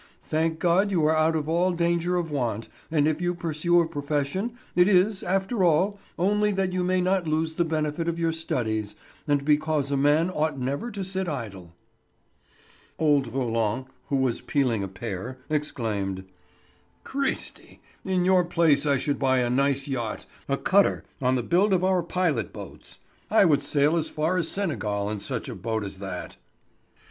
Thank God you are out of all danger of want, and if you pursue a profession, it is, after all, only that you may not lose the benefit of your studies, and because a man ought never to sit idle." Old Roland, who was peeling a pear, exclaimed: "Christi! In your place I should buy a nice yacht, a cutter on the build of our pilot boats. I would sail as far as Senegal in such a boat as that."